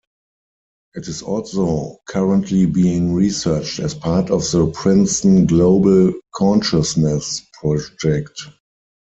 It is also currently being researched as part of the Princeton Global Consciousness Project.